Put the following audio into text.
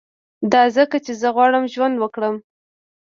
دا ځکه چي زه غواړم ژوند وکړم